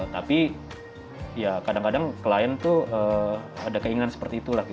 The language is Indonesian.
tapi ya kadang kadang klien tuh ada keinginan seperti itulah gitu